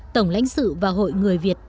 tổng lãnh sự và hội người việt